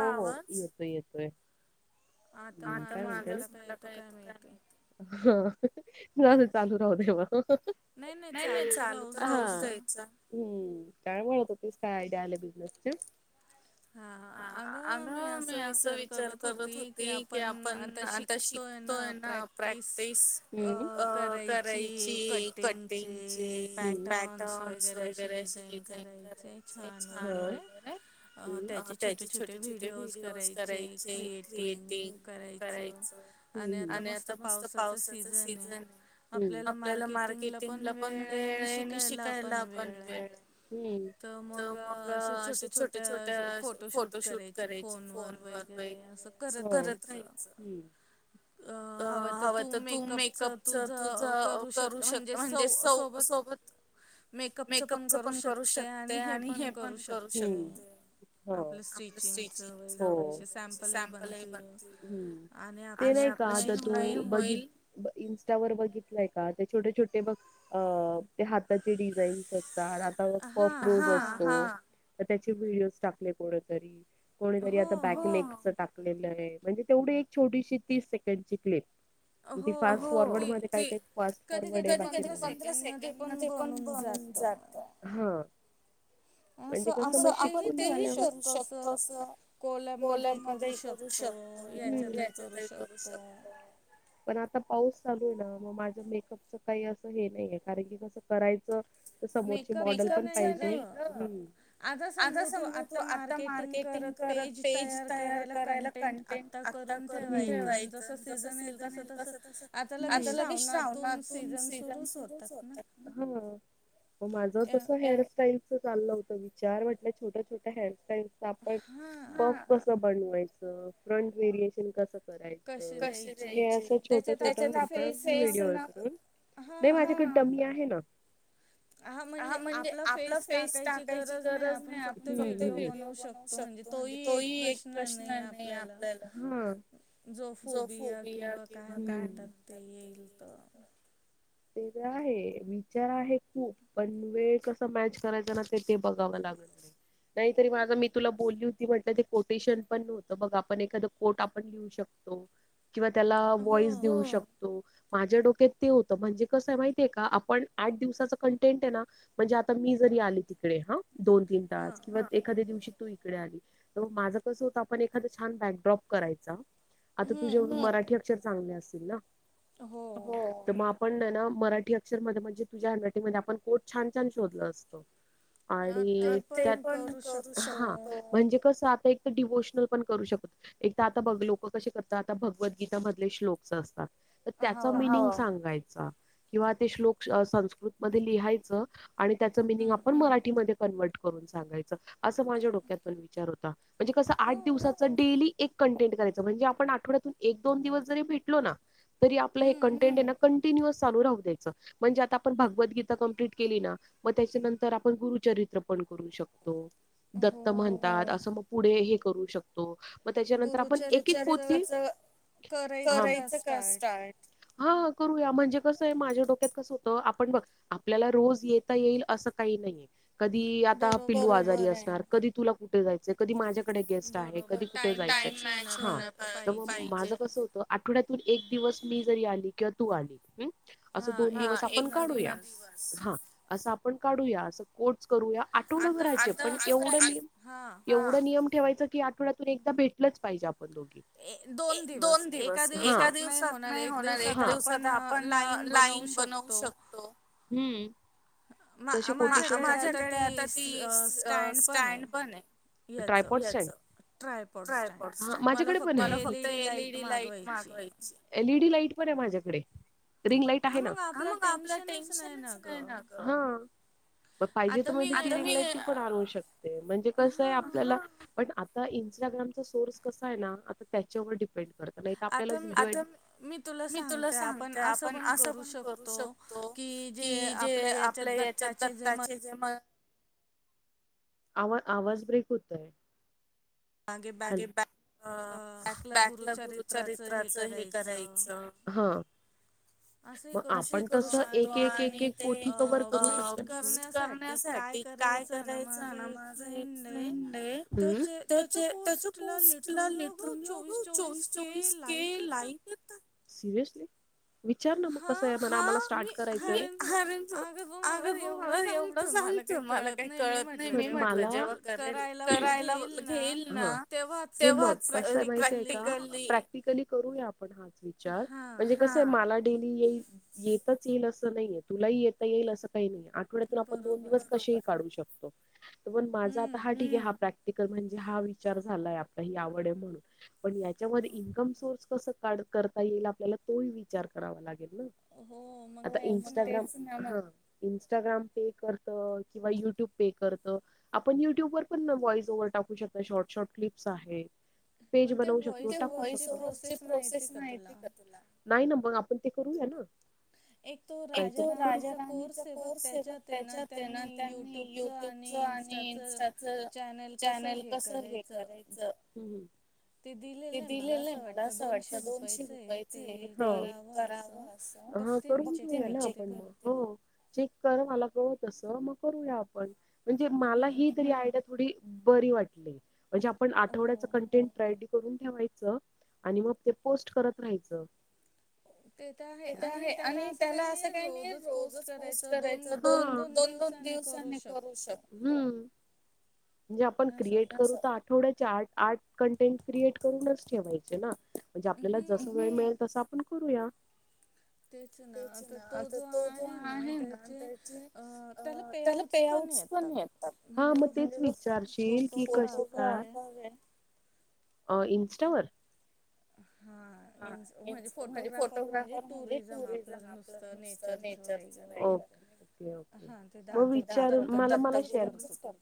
हो, येतोय. येतोय. आता माझाच मला काय येतो काय नाही? हहह, माझा चालू राह दे मग. नाही. नाही. चालू तर राहूच द्यायचाय. हम्म, काय म्हणत होते? काय आयडिया आल्या बिझनेसची? हां, अगं मी असं विचार करत होती की आपण आता शिकतो आहे ना प्रॅक्टिस करायची कटिंगचे. पॅटर्न्स वगैरे असे डिझाईन करायचे छान वगैरे त्याची छोटे छोटे छोटे व्हिडिओज करायचे, क्रिएटिंग करायचं. आणि आता मस्त पावसाचं सीझन आहे. आपल्याला मार्केटिंगला पण वेळ आणि शिकायला पण वेळ आहे, तर मग असे छोटे छोटे तर अस फोटो फोटोशूट करायचे, फोनवर वगैरे असं करत राहायच. अ हवं तर तू मेकअपच तुझ करू शकत म्हणजे स सोबत मेकअपच पण करू शकते आणि हे पण करू शकते. हो आपलं स्टिचिंग सॅमपलही बनते. ते नाही का आता तु बघील. इंस्टावर बघितलंय का ते छोटे छोटे बघ. अ ते हाताचे डिझाईन्स असतात हातावर पफ स्लीवीस असत. त्याचे व्हिडिओज टाकले कोणीतरी कोणीतरी आता बॅकलेग टाक. म्हणजे तेवढी एक छोटीशी तीस सेकंड शिकले. त फास्ट फॉरवर्ड म काय फास्ट फॉरवर्ड पंधरा सेकंड मध्ये पण जात ह म्हणजे कस असं आपण ते ही. शकतोस. कोलाजमध्ये ही करू शकतो याच्यातही करू शकतो. पण आता पाऊस चालू आहे ना, मग माझ्या मेकअपच काही असं हे नाहीय कारण की कसं करायचं? समोरची मॉडेल पण पाहिजे. मेकअप च नाही ग आता समजून. [unintelligible] तू आता मार्केटिंग करत पेज तयार करायला कंटेंट आता करून ठेवायचं जसं सीजन येईल तस तस आता लगेच श्रावणातून सीजन सू तक ना. हा म माझ तस हेअरस्टाईलच चाललं होत विचार म्हटल्या छोट्या छोट्या हेअरस्टाईलच आपण पफ कस बनवायच फ्रंट वेरिएशन कस. कसे द्यायचे त्याच्यात आपण फेस न हा. हा म्हणजे आपला फेस टाकायची गरज नाही आपण फक्त. व्हिडिओ बनवू शकतो म्हणजे तोही एक प्रश्न नाही आपल्याला जो फोबिया किंवा काय म्हणतात ते येईल तर. ते तर आहे विचार आहे खूप. पण वेळ कस मॅच करायच ना ते ते बघावं लागत नाही. नाही तरी माझं मी तुला बोलली होती म्हटलं ते कोटेशन पण नव्हतं बघ आपण एखादा कोट आपण लिहू शकतो. किंवा त्याला वॉइस देऊ शकतो माझ्या डोक्यात ते म्हणजे कसं आहे, माहितीय का? आपण आठ दिवसाच कंटेंट आहे ना? म्हणजे आता मी जरी आले तिकडे हा दोन-तीन तास किंवा एक एखाद्या दिवशी तू इकडे आली तर माझं कसं होत? आपण एखादं छान बँकड्रॉप करायचा. आता तुझ्या मराठी अक्षर चांगले असतील ना? हो, तर मग आ पण ना मराठी अक्षर म म्हणजे तुझ्या हँड रायटिंग मध्ये आपण कोट छान-छान शोधलं असत. आणि त्यात ते पण करू शकतो, हा म्हणजे कसं आता एक डिवोशनल पण करू शकत. एक तर आता लोक कसे करतात, आता भगवद्गीतामधले श्लोकच असतात. तर त्याचं मिनिंग सांगायचं. किंवा ते श्लोक संस्कृतमध्ये लिहायचं आणि त्याच मिनिंग आपण मराठीमध्ये कन्वर्ट करून सांगायचं, अस माझ्या डोक्यात पण विचार होता. म्हणजे कसं, आठ दिवसाचा डेली एक कंटेंट करायचं म्हणजे आपण आठवड्यातून एक-दोन दिवस जरी भेटलो ना, तरी आपल हे कंटेंट ना कंटिन्युअस चालू राहू द्यायंच. म्हणजे आता आपण भगवद्गीता कम्प्लीट केली ना, मग त्याच्यानंतर आपण गुरुचरित्र पण करू शकतो. दत्त म्हणतात असं, मग पुढे हे करू शकतो. हो, मग त्याच्यानंतर आप एक-एक पोती गुरुचरित्राच करायच का स्टार्ट? हा-हा करूया. म्हणजे कसं आहे, माझ्या डोक्यात कसं होतं, आपण बघ आपल्याला रोज येता येईल असं काही नाहीे. कधी आता पिलु आजारी असणार, कधी तुला कुठे जायचं, कधी माझ्याकडे गेस्ट आहे. कधी कुठे जायचं--टाइम मॅच होईला पाहिजे. माझ कसं होतं आठवड्यातून एक दिवस मी जरी आली किंवा तू आली अस दोन दिवस आपण काढूया. हा, असं आपण काढूया, असं कोटस करूया. आठवडभराचं पण एवढं--मी एवढं नियम ठेवायचं की आठड्यातून एकदा भेटलंच पाहिजे आपण दोघी. ए, दोन दिवस एका दिवसात नाही होणार. दिवसात आपण लाईन बनवू शकतो. हम्म. तशी कोटेशन टाकू. माझ्याकडे आता ती स्टँड पण आहे. ट्रायपॉड स्टॅन्ड ट्रायपॉड स्टॅन्ड माझ्याकडे पण ये, मला फक्त एलईडी लाईट मागवायची. एलईडी लाईट पण ये माझ्याकडे. रिंग लाईट आहे ना? हां, मग आपलं टेन्शनच नाही ना गं! हो. मग पाहिजे तर मग मी ती रिंग लाईट ती पण आणू शकते. म्हणजे कसं ये, आपल्याला पण आता इन्स्टाग्रामचा सोर्स कसा आहे ना, आता त्याच्यावर डिपेंड करत नाहीतर आपल्याला व्हिडिओ ऐक मित तुला सांगते, आपण असं पण करू शकतो की जे आपल्या याच्या द दत्ताचे जे म [inaudible] आवा- आवाज ब्रेक होतयं. आधी बॅक अ बॅकला गुरुचरित्राचं हे करायचं. हो. मग आपण तसं एक-एक-एक कोटी कवर करू शकतो. करण्यासाठी काय करायचं ना, माझं एक फ्रेंड ये, त्याचे त्याच्या पोस्टला लिटरली, अगं, चोवीस-चोवीस के लाइक येतात, सिरियसली! विचार ना मग, कसं आहे, आम्हाला स्टार्ट करायचंय. अगं, तो मला एवढं सांगते, मला काही कळत नाही. मी म्हटलं, जेव्हा करेल, करायला घेईल ना, तेव्हाच प्रॅक्टिकली प्रॅक्टिकली करूया आपण, हाच विचार. म्हणजे कसं मला डेली येईल, येतच येईल असं नाहीये, तुलाही येतं येईल असं काही नाही. पुढे तर आपण दोन दिवस कसे ही काढू शकतो, पण माझा आता हा ठीक आहे हा पॅक- तिकर म्हणजे हा विचार झालायं आपला ही आवड आहे म्हणून, पण याच्यामध्ये इन्कम सोर्स कसं, कार्ड करता येईल आपल्याला तोही विचार करावा लागेल ना. आता इंस्टाग्राम हा इंस्टाग्राम पे करत किंवा युट्यूब पे करत. आपण युट्यूब वर पण व्हॉईस ओव्हर टाकू शकत, शॉर्ट शॉर्ट क्लिप्स आहेत. पेज बनवू शकतो टाकू शकतो तेच व्हॉइस ओव्हर ची प्रोसेस माहिती आहे का तुला. नाही ना मग, आपण ते करूया ना. एक तो राज राणीचा कोर्स हाय बघ, त्याच्यात येना त्यांनी- युट्यूब च आणि इन्स्टाच चॅनल कसं हे करायचं, ते दिलेलं आहे मला असं वाटतं दोनशे रुपयाचं हे ते करावं. हां करून घेऊना आपण मगं, हो चेक कर मला कळव तसं, मग करूया आपण म्हणजे मला ही तरी आयडीया- थोडी बरी वाटली म्हणजे आपण आठवडयाच कंटेन प्रायडी - करून ठेवायचं, आणि मग ते पोस्ट करत राहायचं ते काय आहे आणि त्याला असं काही नाही रोजच पोस्ट करायचं दोन दोन- दोन दिवस- सहन नाही करू शक- हं म्हणजे आपण क्रिएट करू तर आठवड्याचे आठ- आठ कंटेंन- क्रिएट करूनच ठेवायचे ना, म्हणजे आपल्याला जसं वेळ मिळेल तसं आपण करूया. तेच ना तर तो जो आणि आहे ना, त्याचे अ त्याला पे आउट्स - ते पण येतात हां मग तेच विचारशील की कसं काय. ओल इन्स्टावर, हां हा म्हणजे फोटोग्राफर म्हणजे, टुरिझम आपलं नुसतं नेचरचं वगैरे, ओके -ओके मग विचारून मला-मला शेअर-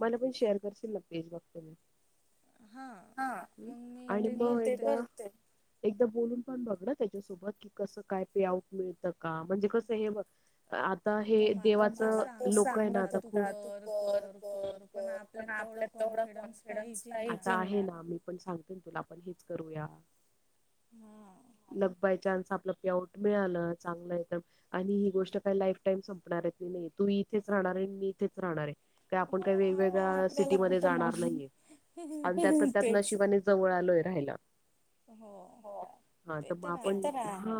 मला पण शेअर करशीलना प्लिज बघते मी - हा आणि मग एकदा - एकदा बोलून पण बघ ना, त्याच्यासोबत की कसं काय पे आउट मिळतं. का म्हणजे कसं हे बघ, आता हे देवाचं लोक येना आता खूप- तु कर कर पण आपल्यात तेवढा कॉन्फिडन्स पाहीजे ना. पण सांगते ना तुला आपण हेच करूया [unintelligible] लक बाय चान्स आपलं प्लेआउट मिळालं चांगलं आहे आणि ही गोष्ट काय लाईफ टाईम संपणाऱ्यातील नाही आहे तू इथेच राहणार आहे मी इथेच राहणार आहे काय आपण काही वेगवेगळ्या सिटीमध्ये जाणार नाहीये आणि त्यातल त्यात नशिबाने जवळ आलोय राहायला हो हो नाही तर मग आपण हा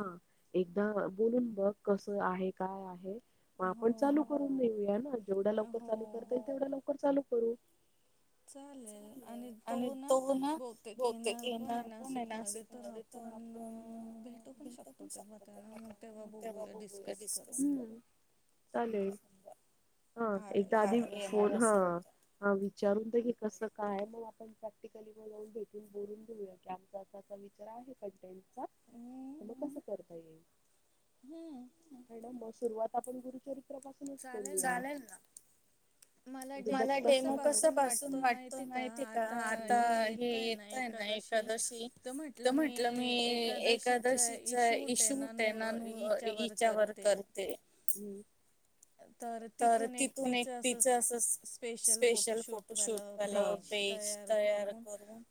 एकदा बोलून बघ कसं आहे काय आहे मग आपण चालू करून देेऊया ना, जेवढ्या लवकर चालू करता येईल तेवढा लवकर चालू करू. चालेल आणि तो ना बहुतेक येणार पण आहे नाशिक मध्ये तर - तर आपण भेटू पण शकतो तेव्हा त्यांना मग तेव्हा बघूया डिस्कस कर हम्म चालेल हा एकदा आधी फोन हा हा विचारून की कसं काय मग आपण प्रॅक्टिकली [unintelligible] भेटून बोलून घेऊया काय आमचं असं असं वि जरा आहे काय त्यांचा कस करता येईल [inaudible] मॅडम मग सुरुवात आपण गुरुचरित्रापाासूनच करुया चालेल ना मला डेमो कस पासून वाटतो माहितीे आहे का आता हे येतय ना एकादशी तर म्हटलं मी एकादशीच शूट आहे ना [unintelligible] हेच्यावर कर ते तर तिथून एक तिचं असं स्पेशल फोटोशूट झालं पेज तयार करून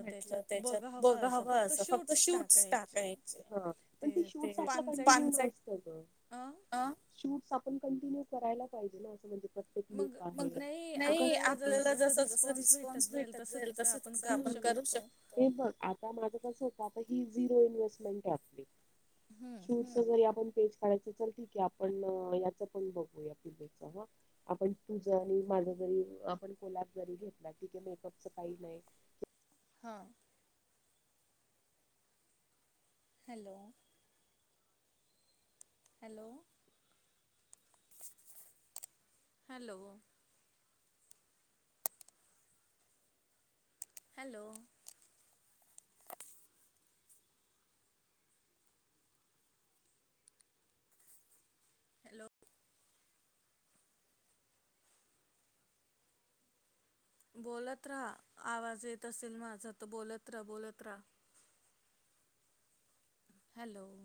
म्हटलं त्याच्यात बघावं असं फक्त शूट्स टाकायच हा पण ते शूट्स आपल कंटिन्यू नाही [unintelligible] पानचट ह शूट्स आपण कंटिन्यू करायला पाहिजे ना असं म्हणजे मग नाही आपल्याला जस जस रिस्पॉन्स भेटत जाईल तस तस आपण पण करू शकतो हे बग आता माझं कसं होत आता ही झिरो इन्व्हेस्टमेंट आहे आपली शूट्स [inaudible] आता जर आपण पेज काढायच तर ठीक आहे आपण याच पण बघू या पिलोच ह [inaudible] आपण तुझं आणि माझं जरी आपण कोल्याब जरी घेतला तरी मेकअपच काही नाही हां hello hello hello hello hello बोलत रहा आवाज येत असेल माझा तर बोलत रहा बोलत रहा हॅलो